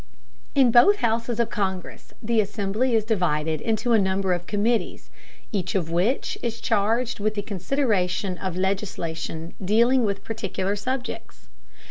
] In both houses of Congress the assembly is divided into a number of committees, each of which is charged with the consideration of legislation dealing with particular subjects.